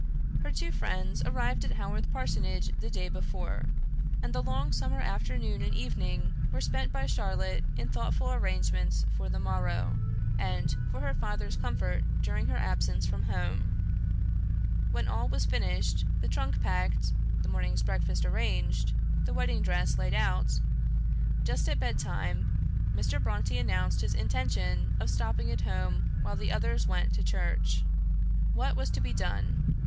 Her two friends arrived at Haworth Parsonage the day before; and the long summer afternoon and evening were spent by Charlotte in thoughtful arrangements for the morrow, and for her father's comfort during her absence from home. When all was finished the trunk packed, the morning's breakfast arranged, the wedding dress laid out, just at bedtime, Mr. Brontë announced his intention of stopping at home while the others went to church. What was to be done?